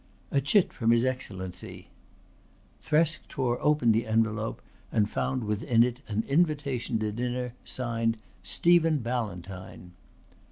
"A chit from his Excellency." Thresk tore open the envelope and found within it an invitation to dinner, signed "Stephen Ballantyne."